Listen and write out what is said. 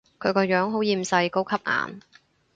佢個樣好厭世，高級顏